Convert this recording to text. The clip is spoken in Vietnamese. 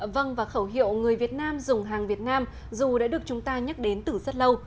vâng và khẩu hiệu người việt nam dùng hàng việt nam dù đã được chúng ta nhắc đến từ rất lâu